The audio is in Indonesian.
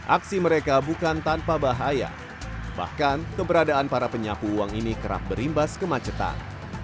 aksi mereka bukan tanpa bahaya bahkan keberadaan para penyapu uang ini kerap berimbas kemacetan